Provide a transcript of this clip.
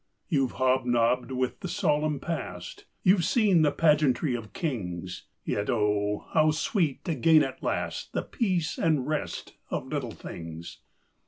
You've hob nobbed with the solemn Past; You've seen the pageantry of kings; Yet oh, how sweet to gain at last The peace and rest of Little Things!